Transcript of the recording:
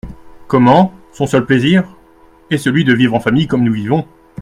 Comment, son seul plaisir ? et celui de vivre en famille comme nous vivons !